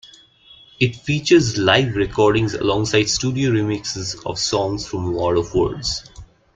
It features live recordings alongside studio remixes of songs from "War of Words".